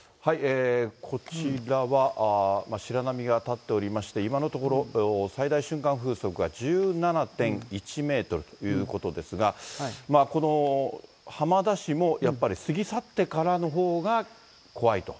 こちらは白波が立っておりまして、今のところ、最大瞬間風速が１７．１メートルということですが、この浜田市も、やっぱり過ぎ去ってからのほうが怖いと。